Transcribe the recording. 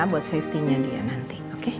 buat safety nya dia nanti oke